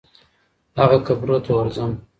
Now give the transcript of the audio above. هغه قبرو ته ورځم